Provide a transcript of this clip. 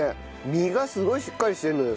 身がすごいしっかりしてるのよ